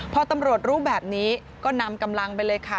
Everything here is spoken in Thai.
พอตำรวจรู้แบบนี้ก็นำกำลังไปเลยค่ะ